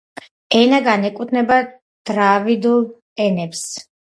ენა განეკუთვნება დრავიდულ ენებს.